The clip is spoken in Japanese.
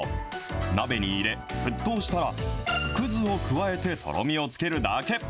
鍋に入れ、沸騰したら、くずを加えてとろみをつけるだけ。